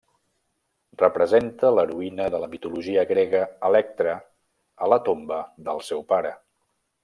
Representa l'heroïna de la mitologia grega Electra a la tomba del seu pare.